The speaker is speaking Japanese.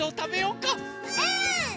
うん！